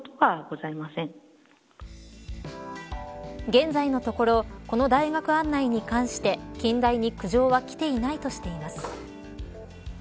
現在のところこの大学案内に関して近大に苦情はきていないとしています。